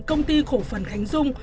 công ty cổ phần khánh dung